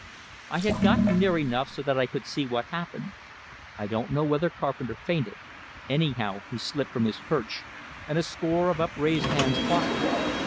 I had got near enough so that I could see what happened. I don't know whether Carpenter fainted; anyhow, he slipped from his perch, and a score of upraised hands caught him.